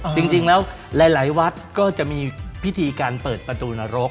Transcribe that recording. จริงแล้วหลายวัดก็จะมีพิธีการเปิดประตูนรก